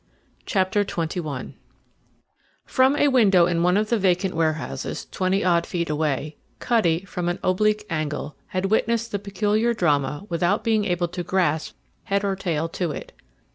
CHAPTER XXI From a window in one of the vacant warehouses, twenty odd feet away Cutty, from an oblique angle, had witnessed the peculiar drama without being able to grasp head or tail to it.